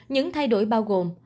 những thay đổi bao gồm